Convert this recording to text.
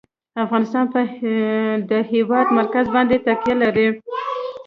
افغانستان په د هېواد مرکز باندې تکیه لري.